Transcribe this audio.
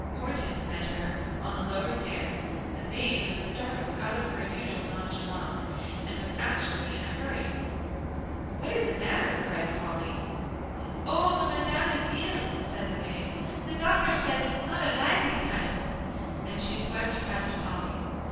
Hortense met her on the lower stairs; the maid was startled out of her usual nonchalance, and was actually in a hurry. "What is the matter?" cried Polly. "Oh! the Madame is eel," said the maid; "the doctaire says it is not a lie dees time," and she swept past Polly.